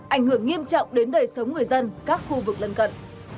ảnh hưởng nghiêm trọng đến đời sống người dân các khu vực lân cận